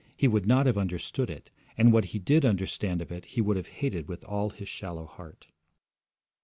He would not have understood it, and what he did understand of it he would have hated with all his shallow heart.